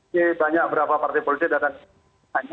jadi banyak berapa partai politik datang ke sana